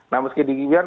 nah meski dikibian